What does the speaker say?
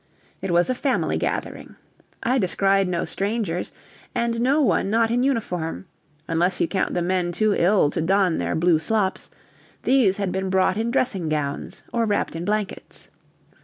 It was a family gathering. I descried no strangers, and no one not in uniform unless you count the men too ill to don their blue slops: these had been brought in dressing gowns or wrapped in blankets.